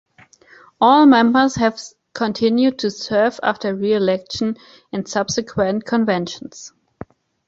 All members have continued to serve after re-election in subsequent conventions.